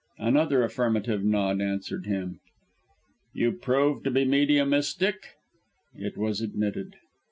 Another affirmative nod answered him. "You proved to be mediumistic?" It was admitted.